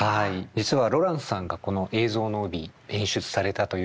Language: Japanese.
実はロランスさんがこの「映像の帯」演出されたというお話を聞きました。